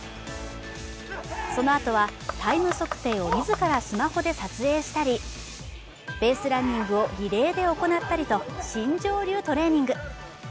そのあとはタイム測定を自らスマホで撮影したり、ベースランニングをリレーで行ったりと新庄流トレーニング。